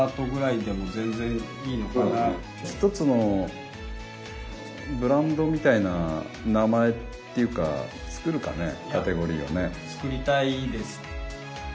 １つのブランドみたいな名前っていうか作るかねカテゴリーをね。作りたいです。